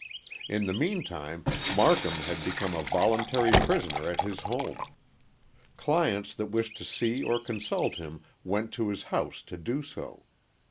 In the meantime Marcum had become a voluntary prisoner at his home. Clients that wished to see or consult him went to his house to do so.